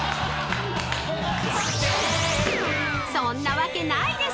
［そんなわけないです。